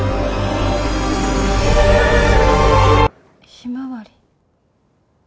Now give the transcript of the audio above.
ひまわり。